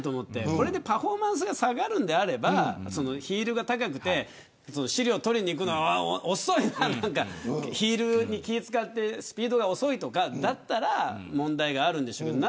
それでパフォーマンスが下がるのであればヒールが高くて資料を取りに行くの遅いとかヒールに気を使ってスピードが遅いとかだったら問題があるんでしょうけれど。